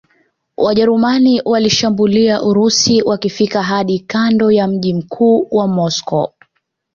Wajerumani waliishambulia Urusi wakifika hadi kando ya mji mkuu Moscow